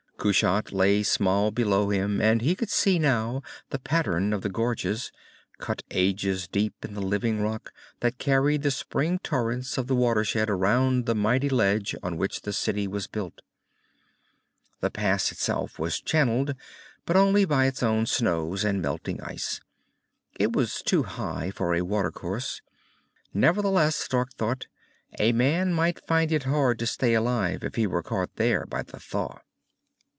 Kushat lay small below him, and he could see now the pattern of the gorges, cut ages deep in the living rock, that carried the spring torrents of the watershed around the mighty ledge on which the city was built. The pass itself was channeled, but only by its own snows and melting ice. It was too high for a watercourse. Nevertheless, Stark thought, a man might find it hard to stay alive if he were caught there by the thaw.